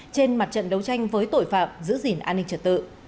trên mặt trận đấu tranh với tội phạm giữ gìn an ninh trật tự